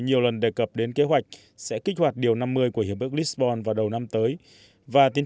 nhiều lần đề cập đến kế hoạch sẽ kích hoạt điều năm mươi của hiệp ước lisbon vào đầu năm tới và tiến